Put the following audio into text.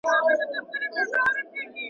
ستا له مالته رخصتېږمه بیا نه راځمه.